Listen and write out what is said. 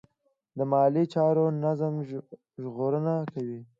د مالي چارو نظم ژغورنه کوي.